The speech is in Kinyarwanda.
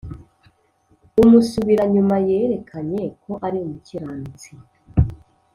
umusubiranyuma yerekanye ko ari umukiranutsi